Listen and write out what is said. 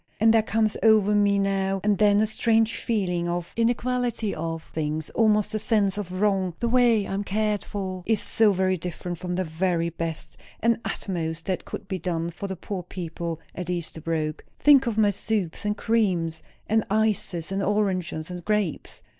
And there comes over me now and then a strange feeling of the inequality of things; almost a sense of wrong; the way I am cared for is so very different from the very best and utmost that could be done for the poor people at Esterbrooke. Think of my soups and creams and ices and oranges and grapes!